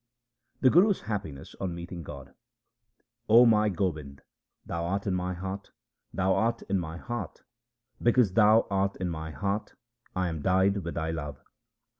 The Guru's happiness on meeting God :— O my Gobind, 1 Thou art in my heart, Thou art in my heart : because Thou art in my heart, I am dyed with Thy love.